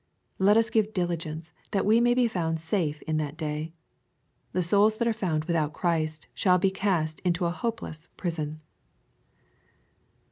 Let us give diligence that we may be found safe in that day. The souls that are found without Christ shall be cast into a hopeless prison.